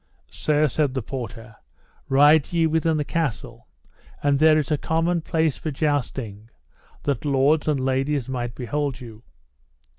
Sir, said the porter, ride ye within the castle, and there is a common place for jousting, that lords and ladies may behold you.